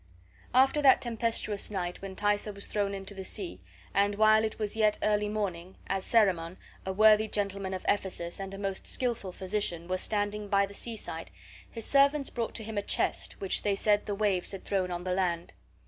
After that tempestuous night when Thaisa was thrown into the sea, and while it was yet early morning, as Cerimon, a worthy gentleman of Ephesus and a most skilful physician, was standing by the seaside, his servants brought to him a chest, which they said the sea waves had thrown on the land.